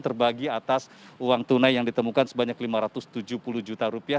terbagi atas uang tunai yang ditemukan sebanyak lima ratus tujuh puluh juta rupiah